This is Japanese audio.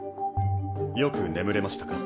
よく眠れましたか？